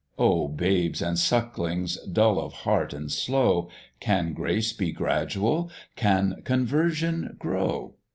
"Oh! Babes and Sucklings, dull of heart and slow, Can Grace be gradual? Can Conversion grow?